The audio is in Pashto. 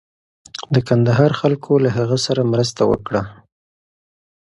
د کندهار خلکو له هغه سره مرسته وکړه.